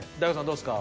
どうですか？